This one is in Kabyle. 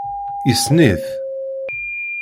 Yessen-it.